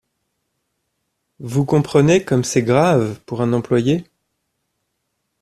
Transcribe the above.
Vous comprenez comme c’est grave pour un employé.